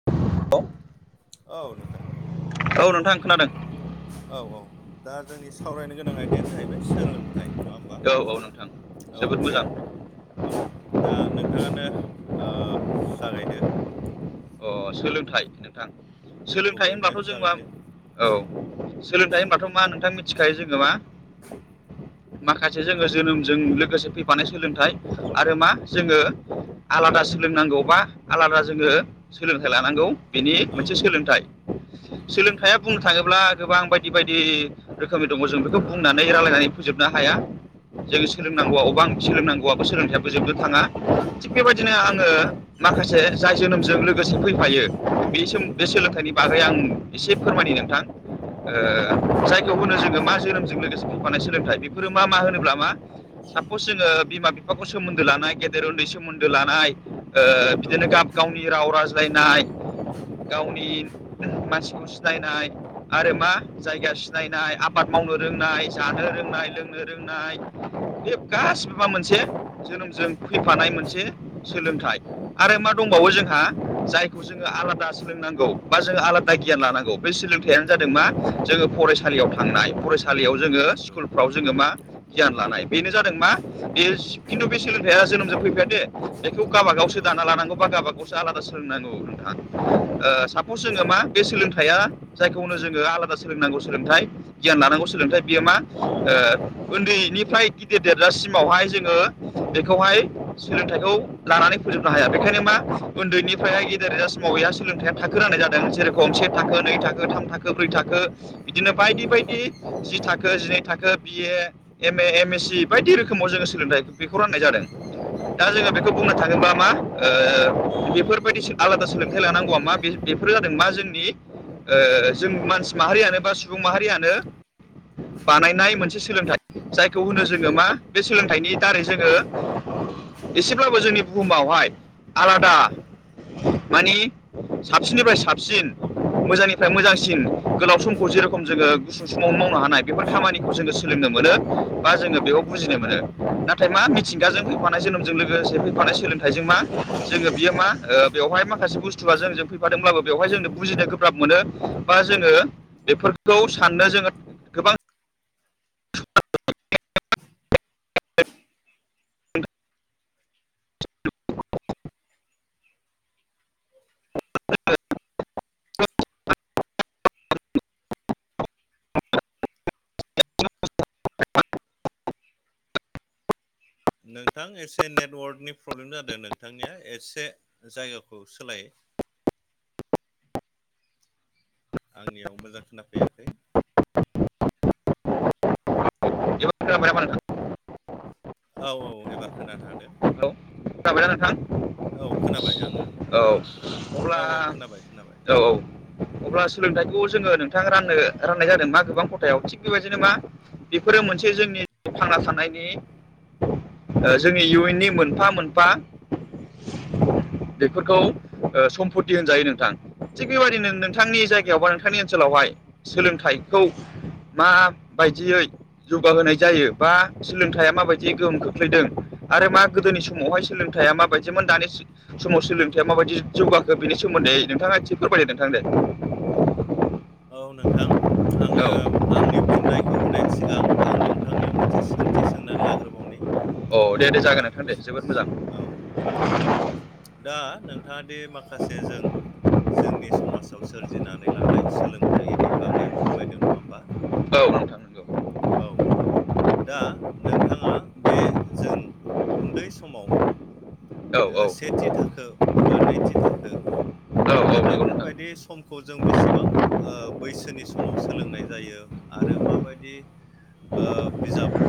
[inaudible] औ नोंथां औ नोंथां खोनादों औ औ दा जोंनि सावरायनो गोनां आयदायानो जाहैबाय सोलोंथाइ। नङा होमबा औ औ नोंथां औ जोबोद बे मोजां औ दा नों थाङानो ओ जागायदो। अ सोलोंथाइ नोंथां सोलोंथाइ थबैनो होनबाथ जों मा जागायदो औ सोलोंथायाइ होनबाथ मा नोंथां मिथिखायो जोङो मा [inaudible] माखासे जोङो जोनोमजों लोगोसे फैफानाय सोलोंथाइ आरो मा जोङो आलादा सोलोंनांगौ बा आलादा जोङो सोलोंथाइ लानांगौ बेनि औ मोनसे सोलोंथाइ नंगौ सोलोंथाइया बुंनो थाङोब्ला गोबां बायदि बायदि रोखोमनि दङ जों बेखौ बुंनानै रायलायनानै फोजोबनो हाया। जोङो सोलोंनांगौआ अबां सोलोंनांगौआबो सोलोंथाइयाबो जोबनो थाङा। थिग औ बेबायदिनो आङो माखासे जाय जोनोमजों लोगोसे फैफायो बे सोम बे औ सोलोंथाइनि बागै आं एसे फोरम नोंथां नंगौ ओ जाय खौ होनो जोङो मा जोनोमजों लोगोसे फैफानाय सोलोंथाइ बेफोरो मा मा होनोब्ला मा सापस जोङो बिमा बिफाखौ सोमोन्दो लानाय गेदेर उन्दै सोमोन्दो लानाय ओ औ बिदिनो गाब गावनि राव रायज्लायनाय गावनि मानसिखौ सिनायनाय आरो मा जायगा सिनायनाय आबाद मावनो रोंनाय जानो रोंनाय लोंनो रोंनाय बे गासिबो मोनसे जोनोमजों फैफानाय मोनसे सोलोंथाइ आरो मा औ दंबावो जोंहा जायखौ जोङो आलादा सोलोंनांगौ बा जोङो आलादा गियान लानांगौ। बै सोलोंथाइयानो जादों मा नंगौ जोङो फरायसालियाव थांनाय फरायसालियाव जोङो नंगौ स्कुलफ्राव जोङो मा गियान लानाय बेनो जादों मा बेयो खिन्थु बे सोलोंथाइया जोनोमजों फैफायादे। बेखौ गावाबागावसो नंगौ दाना लानांगौ बा गाबागाव आलादा सोलोंनांगौ नोंथां ओ सापस जोङो मा बे सोलोंथाइया जायखौ होनो जोङो आलादा सोलोंनांगौ सोलोंथाइ गियान लानांगौ सोलोंथाइ बियो मा ओ उन्दैनिफ्राय गिदिर देरजासिमावहाय जोङो बेखौहाय सोलोंथाइखौ लानानै फोजोबनो हाया बेखायनो मा उन्दैनिफ्रायहाय गेेदेर जासिमाव गैया सोलोंथाइया थाखो राननाय जादों जेरेखम से थाखो नै थाखो थाम थाखो ब्रै थाखो। बिदिनो बायदि नंगौ बायदि जि थाखो जिनै थाखो B A M A M S C बायदि रोखोमाव जोङो सोलोंथाइ बेखौ राननाय जादों। दा जोङो नंगौ बेखौ बुंनो थांङोबा मा ओ बेफोरबायदि सो आलादा सोलोंथाइ लानांगौआ मा बे-बेफोरो जादों मा जोंनि ओ जों मानसि माहारियानो बा सुबुं माहारियानो बानायनाय मोनसे सोलोंथाइ। जायखौ होनो जोङो मा बे सोलोंथाइनि दारै जोङो एसेब्लाबो जोंनि बुहुमावहाय आलादा [inaudible] माने साबसिननिफ्राय साबसिन मोजांनिफ्राय मोजांसिन गोलाव समखौ जेरेखम जोङो गुसु समावनो मावनो हानाय। बेफोर औ खामानिखौ जोङो सोलोंनो मोनो बा जोङो बेयाव नंगौ बुजिनो मोनो नाथाय मा मिथिंगाजों नंगौ फैफा नाय जोनोमजों लोगोसे फैफानाय सोलोंथाइजों मा जोङो बियो मा ओ बेवहाय माखासे बुस्थुआ जोंजों फैफादोंब्लाबो बेवहाय जोंनो बुजिनो गोब्राब मोनो बा जोङो बेफोरखौ साननो जोङो गोबां नोंथां एसे नेटवर्कनि प्रब्लेम जादों नोंथांनिया एसे जायगाखौ सोलाय। आंनियाव मोजां खोनाफैयाखै। एबार खोनाबाय नामा नोंथां? औ औ एबार खोनानो हादों। जाबायना नोंथां औ खोनाबाय आङो औ औ अब्ला औ खोनाबाय खोनाबाय औ औ। अब्ला सोलोंथाइखौ जोङो नोंथां राननो राननाय जादों मा गोबां खथायाव थिग बेबायदिनो मा बेफोरो मोनसे जोंनि थांना थानायनि ओ जोंनि इयुननि मोनफा मोनफा बेफोरखौ ओ सम्पति होनजायो नोंथां थिग बेबायदिनो नोंथांनि जायगायाव बा नंगौ नोंथांनि ओनसोलावहाय सोलोंथाइखौ माबायदियै जौगाहोनाय जायो बा सोलोंथाइया माबायदि गोहोम खोख्लैदों आरो मा गोदोनि समावहाय सोलोंथाइया माबायदिमोन दानि समाव सोलोंथाइया माबायदि जौगाखो बेनि सोमोन्दै नोंथाङा एसे फोरमायदो नोंथां दे। औ नोंथां आंङो औ आंनि फिननायखौ होनायनि सिगां आं नोंथांनियाव मोनसे सोंथि सोंनानै लाग्रोबावनि। औ दे दे नोंथाङा जागोन नोंथां दे सो- जोबोद मोजां। सो- औ दा नोंथाङा दि माखासे जों जोंनि समाजाव सोरजिनानै लानाय सोलोंथाइनि बागै फोरमायदों नङा होमबा? औ नोंथां। औ दा नोंथाङा बे जों उन्दै समाव औ ओ औ सेथि थाखो बा नैथि थाखो औ दा नंगौ नोंथां बेफोरबायदि समखौ जों बेसेबां ओ बैसोनि समाव सोलोंनाय जायो? आरो माबायदि ओ बिजाब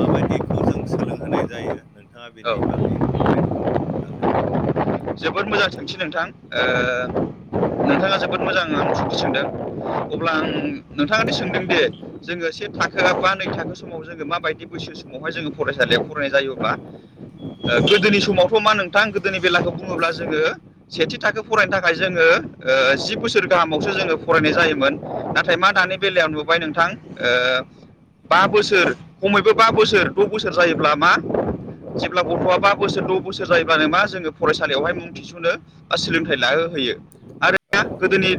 माबायदिखौ जों सोलोंहोनाय जायो नोंथाङा बिनि औ बागै फोरमायनो हागोन। जोबोद मोजां सोंथि नोंथां ओ नोंथाङा जोबोद मोजां आं सोंथि सोंदों अब्ला आं नोंथाङा दि सोंदोंदि जोङो से थाखो बा नै थाखो समाव जोङो माबायदि बैसो समावहाय जोङो फरायसालियाव फरायनाय जायो गोदोनि समावथ' मा नोंथां गोदोनि बेलाखौ बुङोब्ला जोङो सेथि थाखो फरायनो थाखाय जोङो जि बोसोर गाहामावसो जोङो फरायनाय जायोमोन नाथाय मा औ दानि बेलायाव नुबाय नोंथां ओ बा बोसोर खमैबो बा बोसोर द' बोसोर जायोब्ला मा जेब्ला गथ'आ बा बोसोर द' बोसोर जायोबानो मा जोङो फरायसालियावहाय मुं थिसनो सोलोंथाइ लाहो हैयो औ आरो गोदोनि नंगौ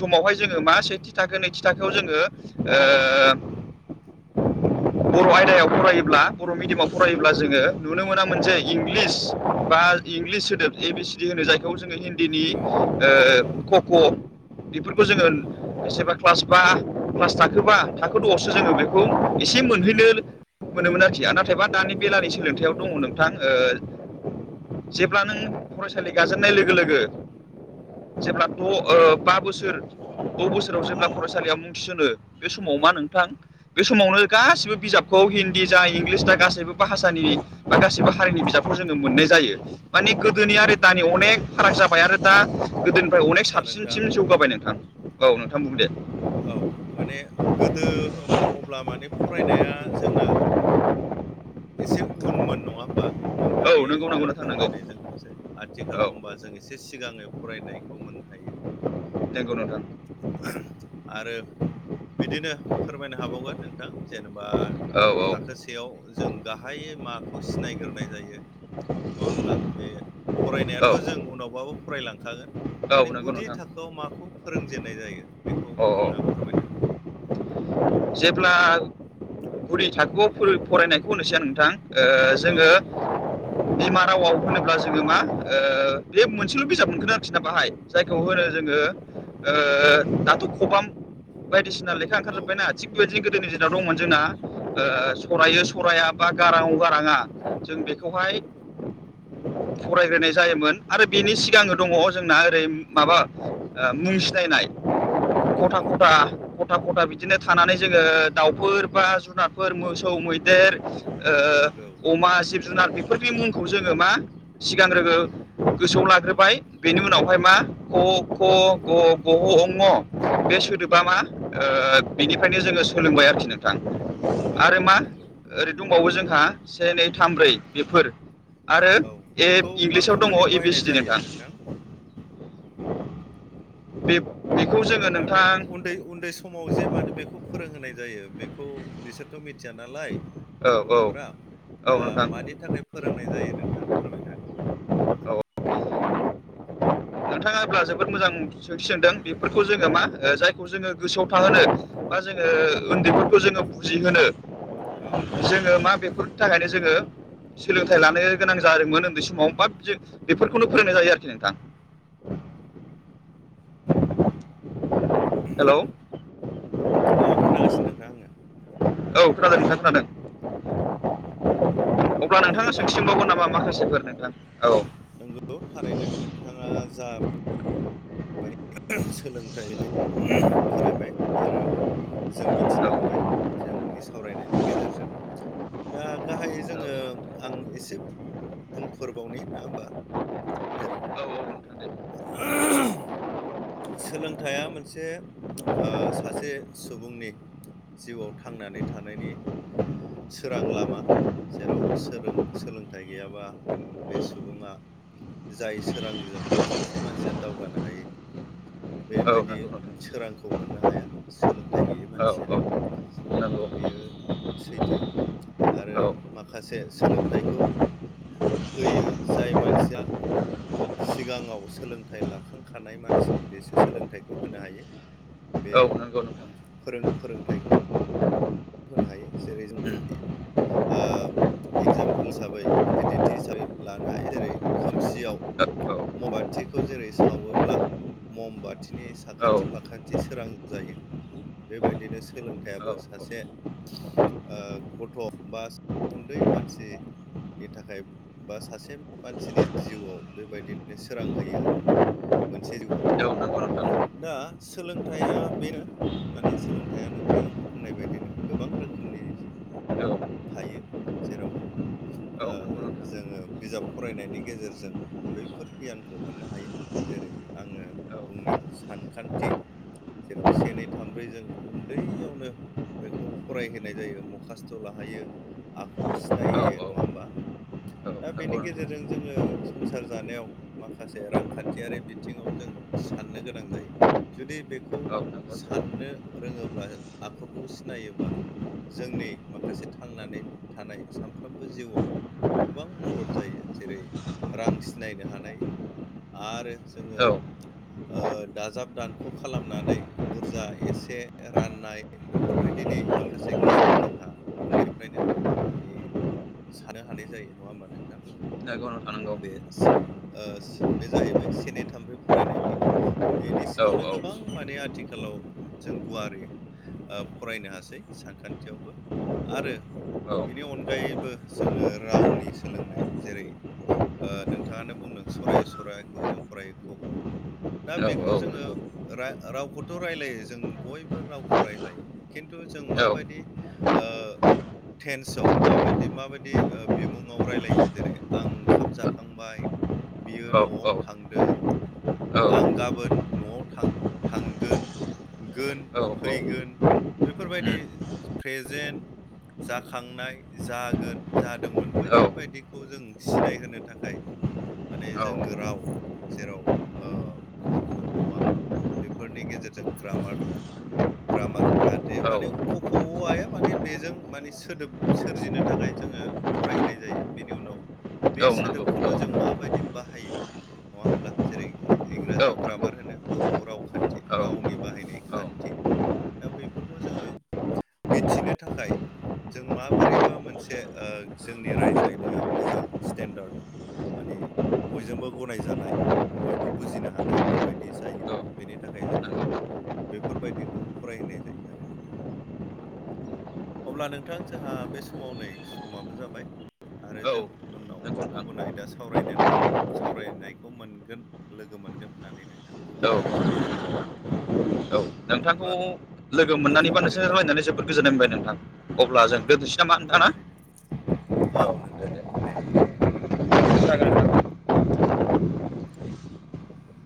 समावहाय जोङो मा सेथि थाखो नैथि थाखोआव जोङो ओ [inaudible] बर' आयदायाव फरायोब्ला बर' मिडियामाव फरायोब्ला जोङो नुनो मोनामोन जे इंलिस बा इंलिस सोदोब ए बि सिडि होनो जायखौ जोङो हिन्दीनि औ कक' बेफोरखौ जोङो सोरबा क्लास बा क्लास थाखोबा थाखो द'आवसो जोङो बेखौ खौ एसे मोनहैनो नंगौ मोनोमोन आरोखि नाथायबा दानि औ बेलानि सोलोंथायाइयाव दङ नों थांङो जेब्ला नों फरायसालि गाजेननाय लोगो लोगो जेब्ला द बा बोसोर द' बोसोराव जेब्ला फरायसालियाव मुं थिसो बे समाव मा नंगौ नोंथां बे समावनो गासिबो बिजाबखौ हिन्दी जा इंलिस जा गासैबो भाषानि बा गासिबो हारिनि बिजाबखौ जोङो मोननाय जायो माने औ गोदोनि आरो नंगौ। दानि अनेक फाराग जाबाय आरो दा गोदोनिफ्राय अनेक आदसा नोंथां साबसिनसिम जौगाबाय नोंथां औ नोंथां बुं दे औ माने गोदो अब्ला माने फरायनाया जोंना एसे उनमोन नङा होमबा औ नोंथांनि नंगौ नंगौ दा नोंथां नंगौ फोरमायनायजों लोगोसे औ आथिखालाव हबा जों एसे सिगाङै फरायनायखौ मोननो हायो नंगौ नोंथां आरो बिदिनो फोरमायनो हाबावगोन नोंथां जेनेबा औ थाखोसे सेयाव जों गाहायै माखौ सिनायग्रोनाय जायो नङा होमब्ला बे फरायनायाथ' औ जों उनावबाबो फरायलांखागोन औ माने नंगौ गुदि नोंथां थाखोआव माखौ फोरोंजेनन्नाय जायो बेखौ औ नोंथाङा औ फोरमायनो हागोन जेब्ला गुदि थाखोआव फरायनायखौ होनोसै आं नोंथां जोङो [inaudible] बिमा रावआव होनोब्ला जोङो मा ओ बे मोनसेल' बिजाबनि मोनखोन आरोखि ना बाहाय जायखौ होनो जोङो ओ दाथ' खबाम बायदिसिना लेखा औ ओंखारजोब्बायना थिग बेबायदिनो गोदोनि दिराव दंमोन जोंना सरायो सरा बा गाराङ' गाराङा जों बे बेवहाय [inaudible] फरायग्रोनाय जायोमोन आरो बेनि सिगां दङ जोंना ओरै माबा मुं सिनायनाय खथा नंगौ खथा खथा खथा बिदिनो थानानै जोङो दाउफोर बा जुनारफोर मोसौ मैदेर नंगौ ओ अमा जिब जुनार बेफोरनि मुंखौ जोङो मा सिगांग्रो गोसोआव लाग्रोबाय बेनि उनावहाय मा ख ग ग अङ बे सोदोबा मा ओ बिनिफ्रायनो जोङो सोलोंबाय आरोखि नों औ आरो औ मा नंगौ ओरै दंबावो जोंहा से नै थाम ब्रै बेफोर आरो औ ए बेखौ बा इंलिसाव दङ खामानियाव ए बि बाहायनाय सि डि जायो नोंथां बे बेखौ जोङो माने नोंथां उन्दै उन्दै समाव जे माने बेखौ फोरोंहोनाय जायो बेखौ बिसोरथ' मि मिथिया नालाय औ औ गथ'फोरा औ दा नोंथां मानि थाखाय फोरोंनाय जायो नोंथाङा फोरमायनो हागोन। औ नोंथाङा अब्ला जोबोद मोजां सोंथि सोंदों बेफोरखौ जोङो मा ओ जाय -खौ जोङो गोसोआव थाहोनो बा जोङो उन्दैबो -खौ जोङो बुजिहोनो हागोन औ जोङो मा बेफोरनि थाखायनो जोङो सोलोंथाइ लानो गोनां जादोंमोन उन्दै समाव बा जों बेफोरखौनो फोरोंनाय जायो आरो जेनबा। हेलौ औ खोनागासिनो नोंथां आङो। औ खोनादों नोंथां खोनादों। अब्ला नोंथाङा नोंगौ सोंथि सोंबावगोन नामा माखासेफोर नोंथां। औ। नंगौ थारैनो नोंथाङा जा बु सोलोंथाइ खोनायबाय आरो [unintelligible] जों औ मिथिनो मोनबाय जोंनि सावरायनायनि गेजेरजों। दा गाहायै जोङो आं एसे बुंफोरबावनि नोआ होमबा? जेर' औ औ नोंथां दे औ [unintelligible] सोलोंथाइया मोनसे ओ सासे सुबुंनि जिउआव थांनानै थानायनि सोरां लामा। जेराव सोलों सोलोंथाइ गैयाबा बे सुबुङा जाय सोरांजों सासे मानसिया दावगानो हायो औ बेबायदि नंगौ नोंथां सोरांखौ मोननो हाया सोलोंथाइ गैयै औ मानसिया। नंगौ औ बेयो सैथो। आरो माखासे सोलोंथाइखौ होयो जाय मानसिया सिगाङाव सोलोंथाइ लाखां -खानाय मानसि बेसो सोलोंथाइखौ होनो हायो बे औ नंगौ नोंथां। फोरों फोरोंथाइखौ होनो हायो जेरै जों ओ एगजामपोल हिसाबै बिदिन्थि हिसाबै लानो हायो जेरै खोमसियाव उम औ मबाथिखौ जेरै सावोब्ला मम बाथिनि औ औ साखाथि फाखाथि सोरां जायो। बेबायदिनो औ सोलोंथाइयाबो सासे ओ गथ' बा उन्दै मानसि नि थाखाय बा सासे मानसिनि जिउआव बेबायदिनो सोरां होयो आरो। मोनसे जिउआव औ नंगौ नोंथां औ दा सोलोंथाइया बेनो माने सोलोंथाइया नोंथां होननाय बदिनो गोबां रोखोमनि औ नंगौ थायो जेराव नोंथां औ ओ नंगौ नोंथां औ नंगौ जोङो बिजाब फरायनायनि गेजेरजों बैफोर गियानखौ मोननो हायो। जेरै आङो बुंनि सानखान्थि। जेराव से नै थामब्रै जों उन्दैयावनो बखौ फरायहोनाय जायो मखास्थ' लाहोयो आखर सिनायहोयो नङा होमबा दा नोंथां बेनि गेजेरजों जोङो संसार जानायाव माखासे रांखान्थियारि बिथिङाव जों साननो गोनां जायो। जुदि बेखौ साननो रोङोब्ला आखरखौ सिनायोबा जोंनि माखासे थांनानै थानाय सानफ्रोमबो जिउआव गोबां मदद जायो जेरै रां सिनायनो हानाय आरो जोङो औ ओ दाजाब दानख' खालामनानै बुरजा एसे राननाय बे बेफोरबायदिनि माखासे गियाना जोंहा उन्दैफ्रायनो माने सानो हानाय जायो नङा होमबा नोंथां नंगौ नोंथां नंगौ बे ओ बे जाहैबाय से नै थाम ब्रै फरायनायनि बेनि औ सिङावनो गोबां माने आथिखालाव जों गुवारै ओ फरायनो हासै सानखान्थियावबो आरो बेनि अनगायैबो जोङो रावनि सोलोंनाय जेरै ओ नोंथाङानो बुंदों सरायो सररायखौ जों फरायो ख ख' दा औ नंगौ औ बेखौ औ उम औ नंगौ औ नंगौ औ जोङो रा रावखौथ' रायलायो जों बयबो रावखौ रायलायो खिन्थु जों माबायदि ओ टेन्सआव माबायदि माबायदि ओ बिमुंआव रायलायो जेरै आं ओंखाम जाखांबाय बियो औ नंगौ औ नंगौ न'आव थांदों नोंथां आं गाबोन न'आव थां थांगोन गोन फैगोन बेफोरबायदि प्रेजेन्ट जाखांनाय जागोन जादोंमोन बैफोरबायदिखौ जों सिनायहोनो थाखाय माने जोङो राव जेराव ओ क ख अ आ बेफोरनि गेजेरजों ग्रामार ग्रामार जाहाथे माने क ख अ आ या माने बेजों माने सोदोब सोरजिनो थाखाय जोङो फरायहोनाय जायो बेनि उनाव बे सोदोबखौनो जों माबायदि बाहायो नङा होमब्ला जेरै इंराजियाव ग्रामार होनो बर'आव रावखान्थि रावनि बाहायनाय खान्थि दा बैफोरखौ जोङो मिथिनो थाखाय जों माबोरैबा मोनसे ओ जोंनि रायज्लायनाया मोजां स्टेन्डार्ड माने बयजोंबो गनायजानाय बयबो बुजिनो हानाय बेबायदि जायो बेनि थाखाय जोङो बेफोरबायदिखौ फरायहोनाय जायो आरो नोंथां अब्ला नोंथां जोंहा बे समाव नै समाबो जाबाय आरो जों उनाव गुबुन आयदा सावरायनो होनना सावरायनायखौ मोनगोन लोगो मोनगोन होननानै नोंथां खौ औ औ मिजिंथिनाय जाबाय औ नोंथांखौ अब्ला लोगो जों मोननानैबा नोंसोर दोनदिनि रायलायनानै जोबोद गोजोननाय मोनबाय नोंथां अब्ला जों [unintelligible] सै नामा नंगौ नोंथां ना थारैनो औ नोंथां दे